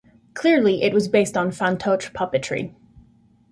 Clearly, it was based on "Fantoche" puppetry.